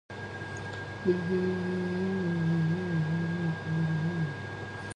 Its route through Poole and Bournemouth passes through suburbs.